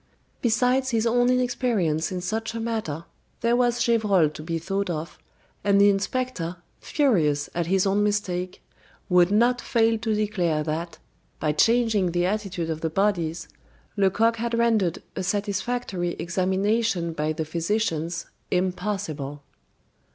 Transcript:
Besides his own inexperience in such a matter, there was Gevrol to be thought of, and the inspector, furious at his own mistake, would not fail to declare that, by changing the attitude of the bodies, Lecoq had rendered a satisfactory examination by the physicians impossible.